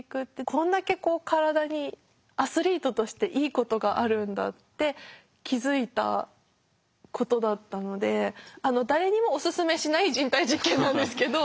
こんだけこう体にアスリートとしていいことがあるんだって気付いたことだったのであの誰にもお勧めしない人体実験なんですけど。